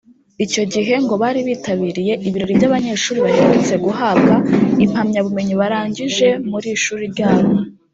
Icyo gihe ngo bari bitabiriye ibirori by’abanyeshuri baherutse guhabwa impamyabumenyi barangije muri iri shuri ryabo